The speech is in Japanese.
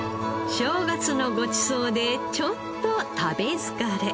正月のごちそうでちょっと食べ疲れ。